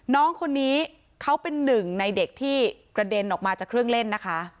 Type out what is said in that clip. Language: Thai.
น้องคนนี้เขาเป็นหนึ่งในเด็กที่กระเด็นออกมาจากเครื่องเล่นนะคะ